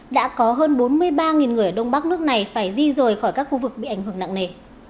đã có hơn bốn mươi ba người ở đông bắc nước này phải di rời khỏi các khu vực bị ảnh hưởng nặng nề